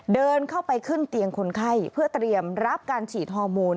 เดินเข้าไปขึ้นเตียงคนไข้เพื่อเตรียมรับการฉีดฮอร์โมน